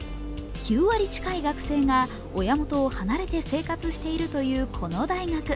９割近い学生が親元を離れて生活しているというこの大学。